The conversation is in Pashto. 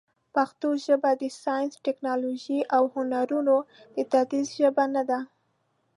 پښتو ژبه د ساینس، ټکنالوژۍ، او هنرونو د تدریس ژبه نه ده.